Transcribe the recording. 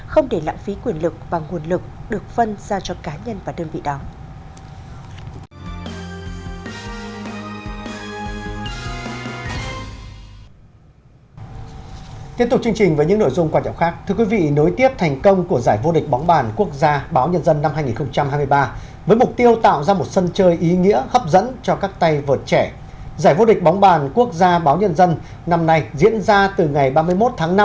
không để lãng phí quyền lực và nguồn lực được phân ra cho cá nhân và đơn vị đó